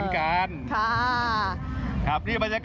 ของแจก